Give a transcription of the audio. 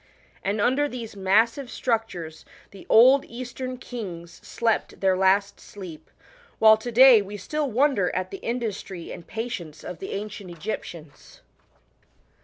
And under these massive structures the old Eastern kings slept their last sleep; while to day we still wonder at the industry and patience of the ancient Egyptians. 8 BACK TO CANAAN. [s.